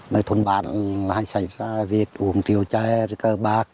nơi thôn bán hay xảy ra việc uống triều tre cơ bạc